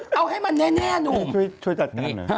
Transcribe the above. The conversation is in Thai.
ช่วยจัดการเหรอ